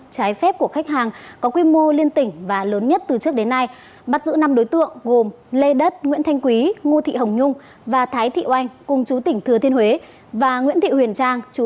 chú thành phố cẩm phả quảng ninh